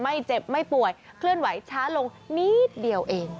ไม่เจ็บไม่ป่วยเคลื่อนไหวช้าลงนิดเดียวเอง